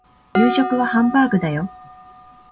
夕食はハンバーグだよ